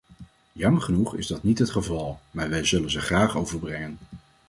Jammer genoeg is dat niet het geval, maar wij zullen ze graag overbrengen.